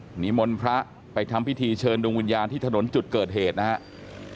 หนีมนต์พระไปทำพิธีเชิญดวงวิญญาณที่ถนนจุดเกิดเหตุนะครับ